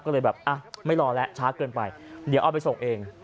ก็เลยแบบไม่รอแล้วช้าเกินไปเดี๋ยวเอาไปส่งเอง